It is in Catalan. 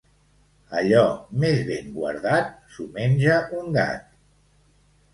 Allò més ben guardat, s'ho menja un gat.